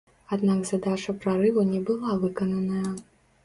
Аднак задача прарыву не была выкананая.